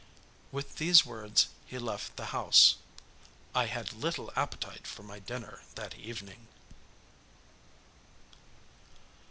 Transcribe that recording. With these words he left the house. I had little appetite for my dinner that evening.